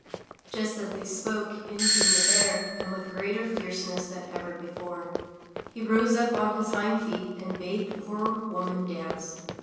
Just as they spoke, in came the Bear, and with greater fierce ness than ever before, he rose up on his hind feet, and bade the poor woman dance.